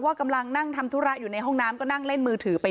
กำลังนั่งทำธุระอยู่ในห้องน้ำก็นั่งเล่นมือถือไป